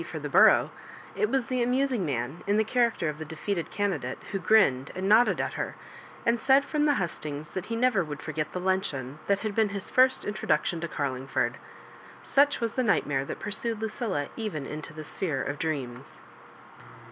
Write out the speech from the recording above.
for the borough, it was the amusmg man, in the character of the defeat ed candidate, who grinned and nodded at her, and said from the hustings that he never would forget the luncheon that had been his first intro ' duction to Carlingford. Such was the nightmare that pursued Lucilla even into the sphere of dreams.